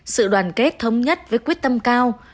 sự đoàn kết thông nhất với quyết tâm cao